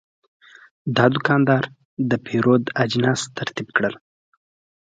دا دوکاندار د پیرود اجناس ترتیب کړل.